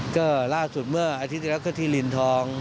ก็ล่าสุดเมื่ออาทิตย์ที่แล้วก็ที่รินทอง